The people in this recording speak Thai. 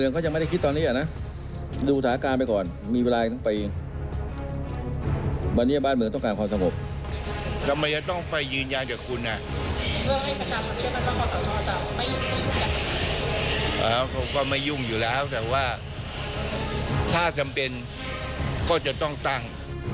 เขาก็ไม่ยุ่งอยู่แล้วแต่ว่าถ้าจำเป็นก็จะต้องตั้ง